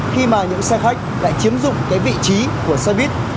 khi mà những xe khách lại chiếm dụng cái vị trí của xe buýt